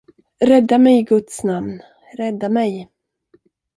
Rädda mig i Guds namn, rädda mig.